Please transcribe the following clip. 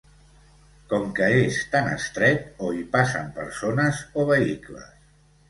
Com que és tan estret, o hi passen persones o vehicles.